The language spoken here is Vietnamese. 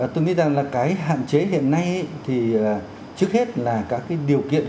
tôi nghĩ rằng là cái hạn chế hiện nay thì trước hết là các cái điều kiện